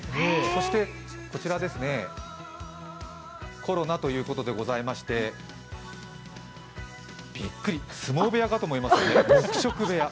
そして、コロナということでございまして、びっくり、相撲部屋かと思いますね、黙食部屋。